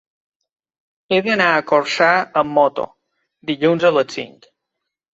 He d'anar a Corçà amb moto dilluns a les cinc.